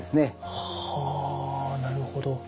はぁなるほど。